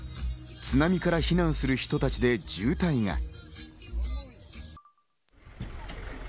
津波から避難する人たちで渋滞が。